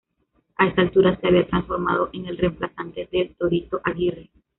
A esa altura se había transformado en el reemplazante del "Torito" Aguirre.